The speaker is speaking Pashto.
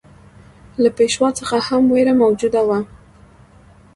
له پېشوا څخه هم وېره موجوده وه.